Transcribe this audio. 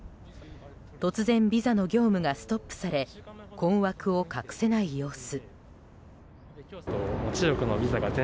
突然、ビザの業務がストップされ困惑を隠せない様子。